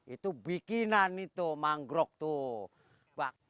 itu bikinan itu mangrove tuh